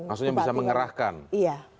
maksudnya bisa mengerahkan iya